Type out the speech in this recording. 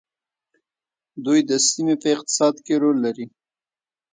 دوی د سیمې په اقتصاد کې رول لري.